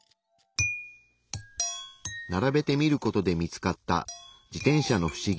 ならべてみる事で見つかった自転車のフシギ。